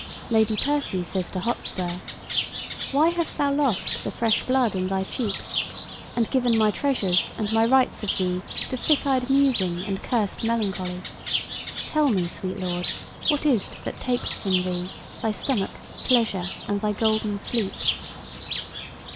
Lady Percy says to Hotspur: "Why hast thou lost the fresh blood in thy cheeks, And given my treasures and my rights of thee To thick eyed musing and curst melancholy? Tell me, sweet lord, what is't that takes from thee Thy stomach, pleasure, and thy golden sleep?"